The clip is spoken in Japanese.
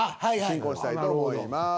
進行したいと思います。